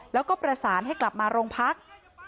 แล้วก็ประสานให้กลับมาโรงพัก